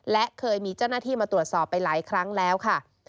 และเคยมีเจ้าหน้าที่มาตรวจสอบไปหลายครั้งแล้วค่ะ